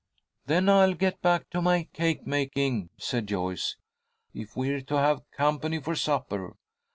"Then I'll get back to my cake making," said Joyce, "if we're to have company for supper.